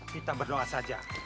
kita berdoa saja